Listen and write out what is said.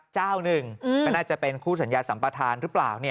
เจ้าหนึ่งก็น่าจะเป็นคู่สัญญาสัมปทานหรือเปล่า